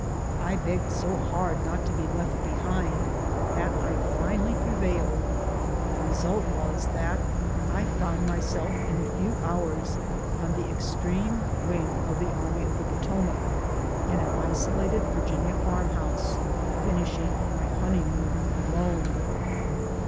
I begged so hard not to be left behind that I finally prevailed. The result was that I found myself in a few hours on the extreme wing of tlie Army of the Potomac, in an isolated Virginia farm house, finishing my honeymoon alone.